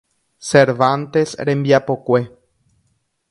Cervantes rembiapokue.